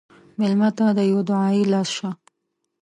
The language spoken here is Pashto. مېلمه ته د یوه دعایي لاس شه.